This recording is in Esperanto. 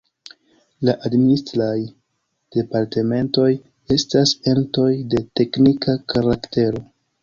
La Administraj Departementoj estas entoj de teknika karaktero.